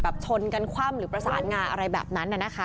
ชนกันคว่ำหรือประสานงาอะไรแบบนั้นนะคะ